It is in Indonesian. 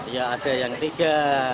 ya ada yang tiga